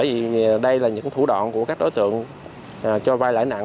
bởi vì đây là những thủ đoạn của các đối tượng cho vay lãi nặng